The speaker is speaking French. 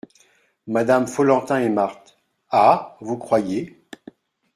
Madame Follentin et Marthe. — Ah ! vous croyez ?